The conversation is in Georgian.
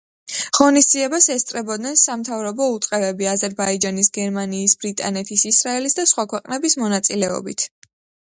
ღონისძიებას ესწრებოდნენ სამთავრობო უწყებები, აზერბაიჯანის, გერმანიის, ბრიტანეთის, ისრაელის და სხვა ქვეყნების მონაწილეობით.